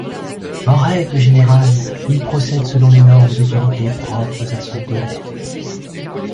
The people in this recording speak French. En règle générale, il procède selon les normes de qualité propres à son domaine.